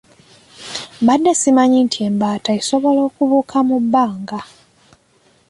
Mbadde simanyi nti embaata esobola okubuuka mu bbanga